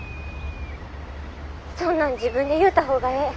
そんなん自分で言うた方がええ。